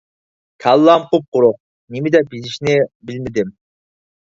كاللام قۇپقۇرۇق! نېمىدەپ يېزىشنى بىلمىدىم.